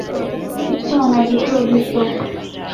utwana duto duto